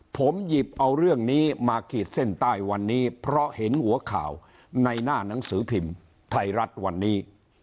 ผมหยิบเอาเรื่องนี้มาขีดเส้นใต้วันนี้เพราะเห็นหัวข่าวในหน้าหนังสือพิมพ์ไทยรัฐวันนี้